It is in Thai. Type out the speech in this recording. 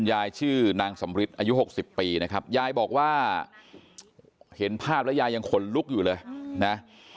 ยายชื่อนางสำริทอายุ๖๐ปีนะครับยายบอกว่าเห็นภาพแล้วยายยังขนลุกอยู่เลยนะ